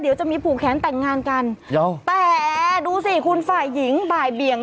เดี๋ยวจะมีผูกแขนแต่งงานกันแต่ดูสิคุณฝ่ายหญิงบ่ายเบี่ยง